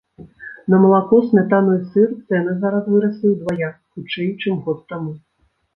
На малако, смятану і сыр цэны зараз выраслі ўдвая хутчэй, чым год таму.